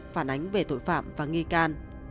phản ánh về tội phạm và nghi can